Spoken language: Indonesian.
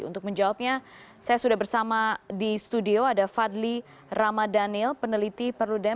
untuk menjawabnya saya sudah bersama di studio ada fadli ramadhanil peneliti perludem